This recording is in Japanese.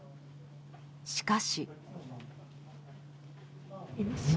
しかし。